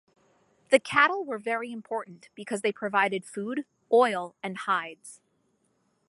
The cattle were very important because they provided food, oil and hides.